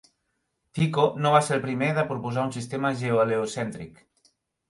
Tycho no va ser el primer de proposar un sistema geoheliocèntric.